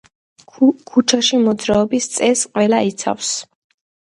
ქუჩაში მოძრაობის წესს ყველა იცავს.